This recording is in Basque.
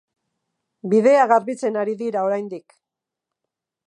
Bidea garbitzen ari dira oraindik.